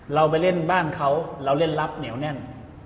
เราไปเล่นบ้านเขาเราเล่นลับเหนียวแน่น